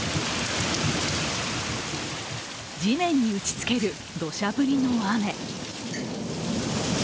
地面に打ちつけるどしゃ降りの雨。